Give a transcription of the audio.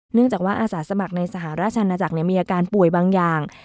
เนื่องจากว่าอาสาสมัครในสหราชอาณาจักรมีอาการป่วยบางอย่าง